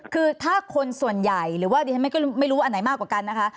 คือถ้าคนส่วนใหญ่หรือว่าไม่รู้อันไหนมากกว่ากันนะคะ